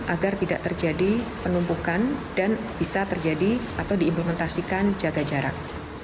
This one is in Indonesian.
agar tidak terjadi penumpukan dan bisa terjadi atau diimplementasikan jaga jarak